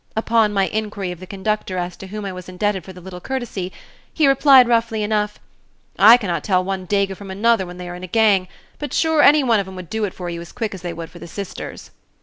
Upon my inquiry of the conductor as to whom I was indebted for the little courtesy, he replied roughly enough, "I cannot tell one dago from another when they are in a gang, but sure, any one of them would do it for you as quick as they would for the Sisters."